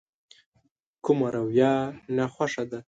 کومه رويه ناخوښه ده.